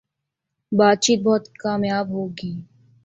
باتچیت بہت کامیاب ہو گی